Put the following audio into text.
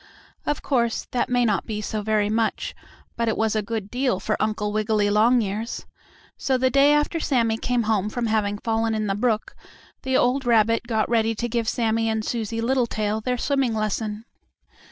Of course, that may not be so very much, but it was a good deal for Uncle Wiggily Longears. So the day after Sammie came home from having fallen in the brook the old rabbit got ready to give Sammie and Susie Littletail their swimming lesson.